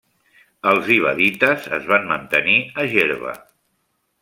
Els ibadites es van mantenir a Gerba.